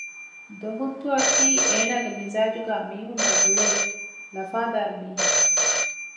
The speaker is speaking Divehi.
ދޮހުއްތުއަކީ އޭނާގެ މިޒާޖުގައި މީހުންނާއި ގުޅޭ ލަފާދާރު މީހެއް